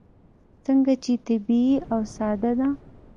ځکه چې طبیعي او ساده ده.